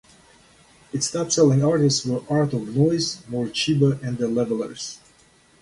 Its top-selling artists were Art of Noise, Morcheeba and The Levellers.